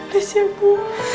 please ya bu